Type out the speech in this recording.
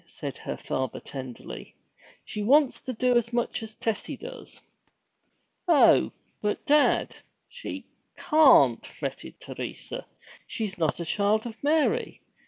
said her father tenderly. 'She wants to do as much as Tessie does!' 'Oh, but, dad, she can't!' fretted Teresa. 'She's not a Child of Mary!